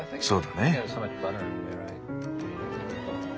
そうだね。